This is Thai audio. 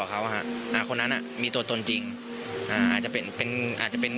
เขาฮะอ่าคนนั้นอ่ะมีตัวตนจริงอ่าอาจจะเป็นเป็นอาจจะเป็น